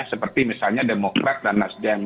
seperti misalnya demokrat dan nasdem